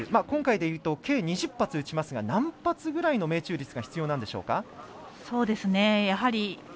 今回でいうと計２０発撃ちますが何発ぐらいの命中率が必要なんでしょうか。